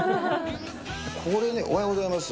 これね、おはようございます。